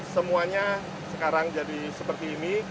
semuanya sekarang jadi seperti ini